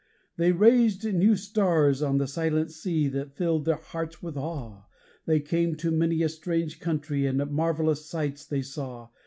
They raised new stars on the silent sea that filled their hearts with awe; They came to many a strange countree and marvellous sights they saw.